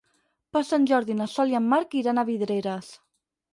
Per Sant Jordi na Sol i en Marc iran a Vidreres.